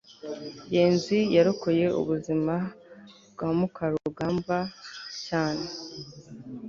ngenzi yarokoye ubuzima bwa mukarugambwa cyane